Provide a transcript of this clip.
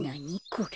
これ。